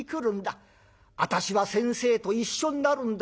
私は先生と一緒になるんだ。